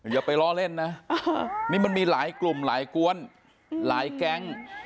อย่าไปล้อเล่นนะนี่มันมีหลายกลุ่มหลายกวนหลายแก๊ง